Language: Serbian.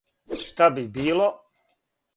Што би било?